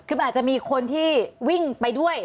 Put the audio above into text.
คือมันอาจจะมีคนที่วิ่งไปด้วย